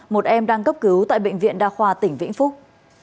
một em đang cấp cứu tại bệnh viện đa khoa tỉnh vĩnh phúc